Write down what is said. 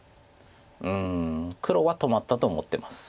うん黒は止まったと思ってます。